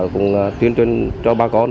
cũng tuyên truyền cho bà con